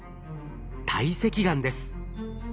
堆積岩です。